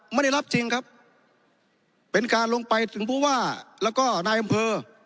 ไม่ได้รับจริงครับเป็นการลงไปถึงผู้ว่าแล้วก็นายอำเภอ